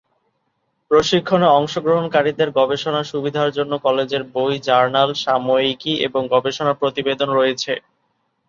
প্রশিক্ষণে অংশগ্রহণকারীদের গবেষণা সুবিধার জন্য কলেজের বই, জার্নাল, সাময়িকী এবং গবেষণা প্রতিবেদন রয়েছে।